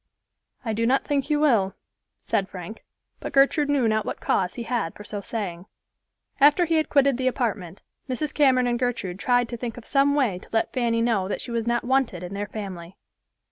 "I do not think you will," said Frank; but Gertrude knew not what cause he had for so saying. After he had quitted the apartment, Mrs. Cameron and Gertrude tried to think of some way to let Fanny know that she was not wanted in their family.